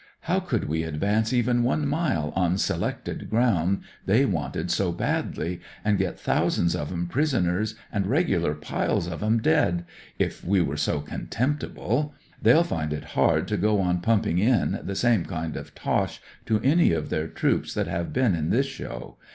How could we advance even one mile on selected ground they wanted so badly, and get thousands of 'em prisoners, and regular piles of 'em dead — ^if we were so contemptible ? They'll find it hard to go on pumping in the same kind of tosh to any of their troops that have been in this show.